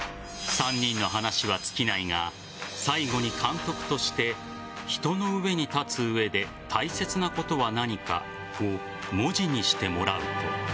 ３人の話は尽きないが最後に監督として人の上に立つ上で大切なことは何かを文字にしてもらうと。